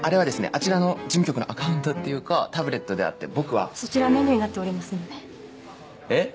あちらの事務局のアカウントっていうかタブレットであって僕はそちらメニューになっておりますのでえっ？